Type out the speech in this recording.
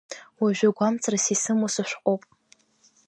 Уажәы гәамҵрас исымоу сышәҟәоуп.